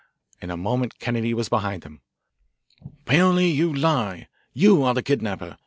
In a moment Kennedy was behind him. "Paoli, you lie. You are the kidnapper.